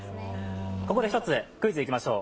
ここで一つクイズいきましょう。